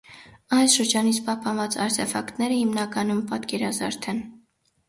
Այս շրջանից պահպանված արտեֆակտները հիմնականում պատկերազարդ են։